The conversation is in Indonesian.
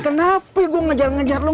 kenapa gua ngejar ngejar lu